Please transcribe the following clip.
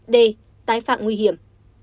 d tái phạm nguy hiểm